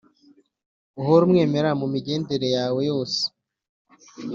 uhore umwemera mu migendere yawe yose,